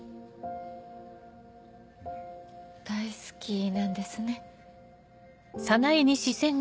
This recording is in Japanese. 大好きなんですね。